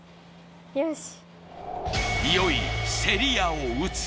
よし